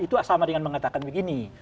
itu sama dengan mengatakan begini